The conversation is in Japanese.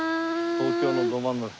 東京のど真ん中。